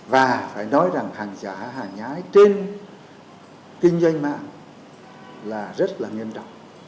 và phải nói rằng hàng giả hàng nhái trên kinh doanh mạng là rất là nghiêm trọng